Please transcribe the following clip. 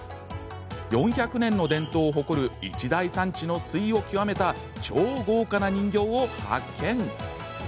４００年の伝統を誇る一大産地の粋を極めた超豪華な人形を発見。